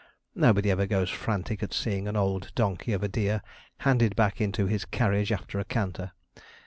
Nobody ever goes frantic at seeing an old donkey of a deer handed back into his carriage after a canter.